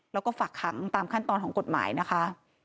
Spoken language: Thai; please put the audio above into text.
แล้วก็ฝากขังตามขั้นตอนของกฎหมายนะคะ